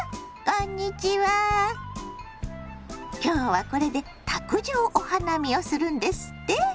こんにちは今日はこれで卓上お花見をするんですって？